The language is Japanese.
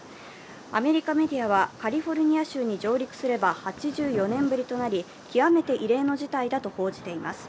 アメリカメディアはカリフォルニア州に上陸すれば８４年ぶりとなり極めて異例の事態だと報じています。